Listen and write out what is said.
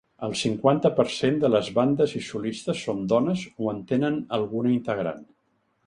El cinquanta per cent de les bandes i solistes són dones o en tenen alguna integrant.